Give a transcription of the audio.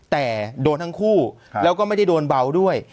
แต่โดนทั้งคู่แล้วก็ไม่ได้โดนเบาด้วย